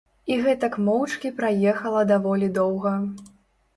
І гэтак моўчкі праехала даволі доўга.